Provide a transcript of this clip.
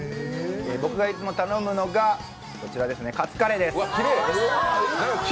僕がよく頼むのがこのカツカレーです。